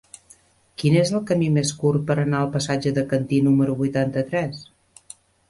Quin és el camí més curt per anar al passatge de Cantí número vuitanta-tres?